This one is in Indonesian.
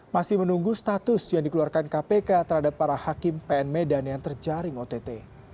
masih menunggu status yang dikeluarkan kpk terhadap para hakim pn medan yang terjaring ott